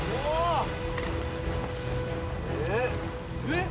えっ？